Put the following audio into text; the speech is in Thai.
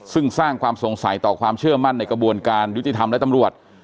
ซึ่งสร้างความสงสัยต่อความเชื่อมั่นในกระบวนการยุติธรรมและตำรวจ